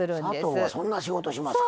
砂糖はそんな仕事しますか。